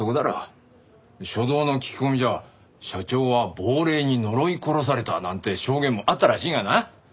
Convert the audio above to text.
初動の聞き込みじゃ「社長は亡霊に呪い殺された」なんて証言もあったらしいがな。